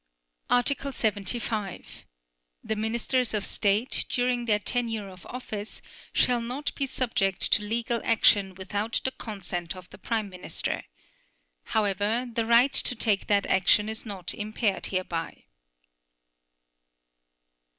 Article 75. The Ministers of state, during their tenure of office, shall not be subject to legal action without the consent of the Prime Minister. However, the right to take that action is not impaired hereby.